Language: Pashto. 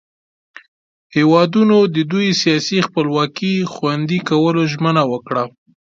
هیوادونو د دوئ سیاسي خپلواکي خوندي کولو ژمنه وکړه.